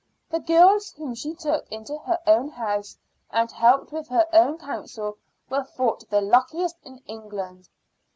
The girls whom she took into her own house and helped with her own counsel were thought the luckiest in England.